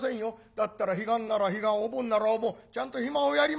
だったら彼岸なら彼岸お盆ならお盆ちゃんと暇をやりましょう」。